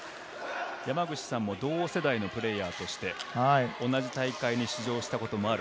山口さんも同世代のプレーヤーとして同じ大会に出場したこともある。